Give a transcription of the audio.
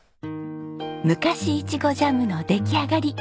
昔いちごジャムの出来上がり。